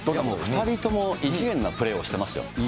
２人とも異次元なプレーをしてますよ。